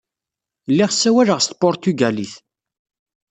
Lliɣ ssawaleɣ s tpuṛtugalit.